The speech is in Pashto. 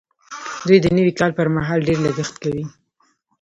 دوی د نوي کال پر مهال ډېر لګښت کوي.